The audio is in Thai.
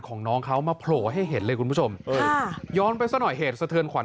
ของน้องเขามาโผล่ให้เห็นเลยคุณผู้ชมย้อนไปสักหน่อยเหตุสะเทือนขวัญ